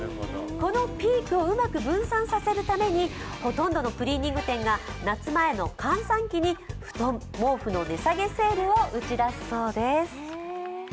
このピークをうまく分散させるためにほとんどのクリーニング店が夏前の閑散期に布団・毛布の値下げセールを打ち出すそうです。